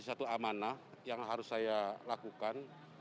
bisa jadi satu amanah yang harus saya lakukan